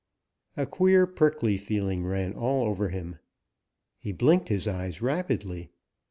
A queer prickly feeling ran all over him. He blinked his eyes rapidly.